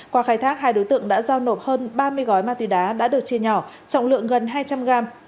qua khai thác hai đối tượng đã giao nộp hơn ba mươi gói ma túy đá đã được chia nhỏ trọng lượng gần hai trăm linh gram